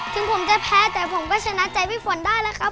ถึงผมจะแพ้แต่ผมก็ชนะใจพี่ฝนได้แล้วครับ